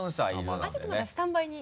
ちょっとまだスタンバイに。